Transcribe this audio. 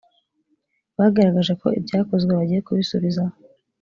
bagaragaje ko ibyakozwe bagiye kubisubizaho